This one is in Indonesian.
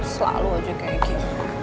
selalu aja kayak gini